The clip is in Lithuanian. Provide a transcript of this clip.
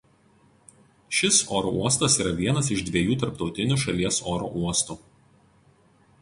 Šis oro uostas yra vienas iš dviejų tarptautinių šalies oro uostų.